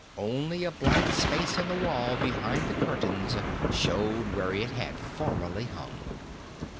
Only a blank space on the wall behind the curtains showed where it had formerly hung.